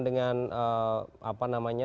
dengan apa namanya